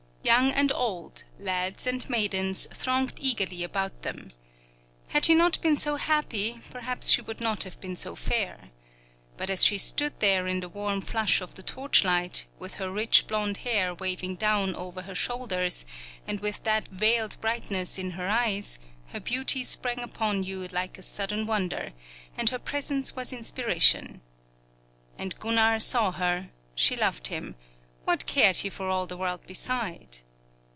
Young and old, lads and maidens, thronged eagerly about them. Had she not been so happy, perhaps she would not have been so fair. But as she stood there in the warm flush of the torchlight, with her rich blond hair waving down over her shoulders, and with that veiled brightness in her eyes, her beauty sprang upon you like a sudden wonder, and her presence was inspiration. And Gunnar saw her; she loved him: what cared he for all the world beside?